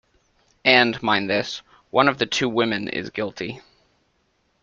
And, mind this, one of the two women is guilty.